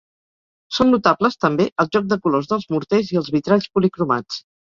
Són notables també el joc de colors dels morters i els vitralls policromats.